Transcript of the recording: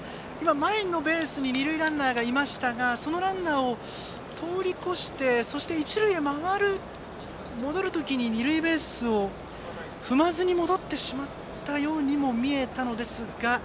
前のベースに二塁ランナーがいましたがそのランナーを通り越して一塁へ戻る時に二塁ベースを踏まずに戻ってしまったようにも見えたのですが。